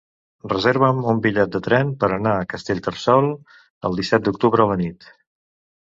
Reserva'm un bitllet de tren per anar a Castellterçol el disset d'octubre a la nit.